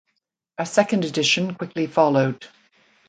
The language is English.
A second edition quickly followed.